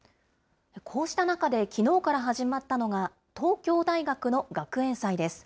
こうした中できのうから始まったのが、東京大学の学園祭です。